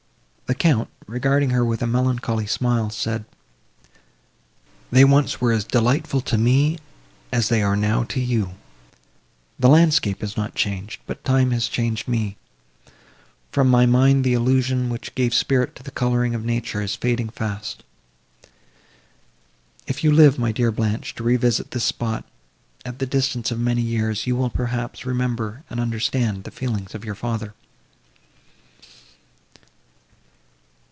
The Count, regarding her with a melancholy smile, said, "They once were as delightful to me, as they are now to you; the landscape is not changed, but time has changed me; from my mind the illusion, which gave spirit to the colouring of nature, is fading fast! If you live, my dear Blanche, to revisit this spot, at the distance of many years, you will, perhaps, remember and understand the feelings of your father."